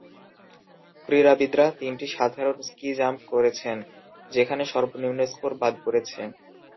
ক্রীড়াবিদরা তিনটি সাধারণ ski jump করেছেন, যেখানে সর্বনিম্ন স্কোর বাদ পড়েছে।